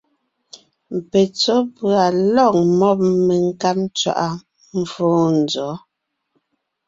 Petsɔ́ pʉ̀a lɔ̂g mɔ́b menkáb ntswaʼá fóo nzɔ̌?